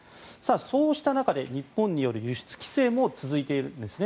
そうした中日本による輸出規制も続いているんです。